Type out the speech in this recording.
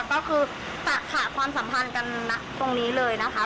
ก็คือจะขาดความสัมพันธ์กันตรงนี้เลยนะคะ